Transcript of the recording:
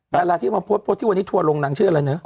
ดาราที่มาโพสต์โพสต์ที่วันนี้ทัวร์ลงนางชื่ออะไรนะ